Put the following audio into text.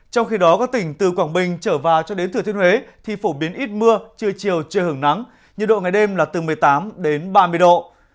trong khi đó các tỉnh từ quảng bình trở vào cho đến thừa thiên huế thì phổ biến ít mưa trưa chiều chưa hưởng nắng nhiệt độ ngày đêm là từ một mươi tám đến ba mươi độ